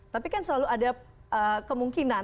tapi kan selalu ada kemungkinan